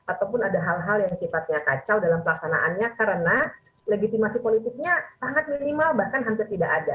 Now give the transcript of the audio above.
ataupun ada hal hal yang sifatnya kacau dalam pelaksanaannya karena legitimasi politiknya sangat minimal bahkan hampir tidak ada